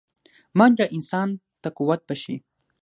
منډه انسان ته قوت بښي